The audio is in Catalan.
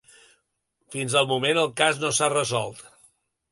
Fins al moment el cas no s'ha resolt.